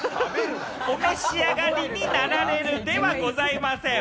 お召し上がりになられるではございません。